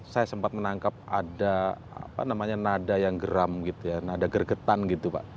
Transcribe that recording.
saya sempat menangkap ada nada yang geram gitu ya nada gergetan gitu pak